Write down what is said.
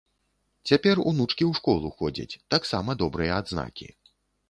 Цяпер унучкі ў школу ходзяць, таксама добрыя адзнакі.